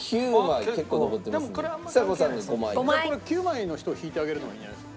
９枚の人を引いてあげるのがいいんじゃない？